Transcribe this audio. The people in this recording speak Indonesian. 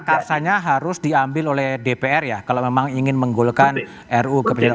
nah prakarsanya harus diambil oleh dpr ya kalau memang ingin menggolokan ru kepencanaan